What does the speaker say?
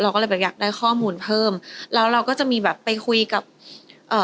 ก็เลยแบบอยากได้ข้อมูลเพิ่มแล้วเราก็จะมีแบบไปคุยกับเอ่อ